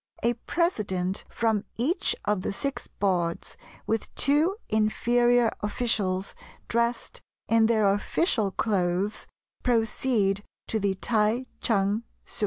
A president from each of the six boards, with two inferior officials, dressed in their official clothes, proceed to the T'ai Ch'ang Ssu.